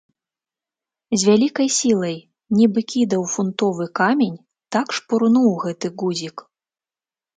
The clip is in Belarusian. З вялікай сілай, нібы кідаў фунтовы камень, так шпурнуў гэты гузік.